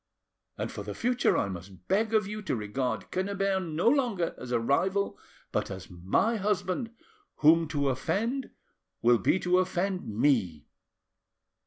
And for the future I must beg of you to regard Quennebert no longer as a rival but as my husband, whom to offend will be to offend me."